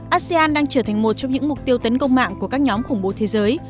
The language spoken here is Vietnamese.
asean đang trở thành một trong những mục tiêu tấn công mạng của các nhóm khủng bố thế giới